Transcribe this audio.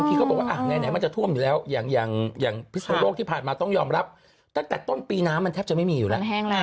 ที่ผลโรคที่ผ่านมาต้องยอมรับตั้งแต่ต้นปีน้ำมันแทบจะไม่มีอยู่แล้ว